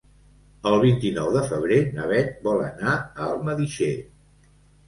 El vint-i-nou de febrer na Beth vol anar a Almedíxer.